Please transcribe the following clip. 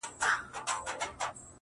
څه مي ارام پرېږده ته،